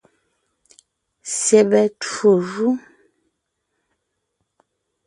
Syɛbɛ twó jú.